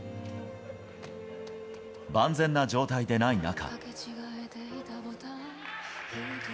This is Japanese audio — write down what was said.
万全な状態でない中。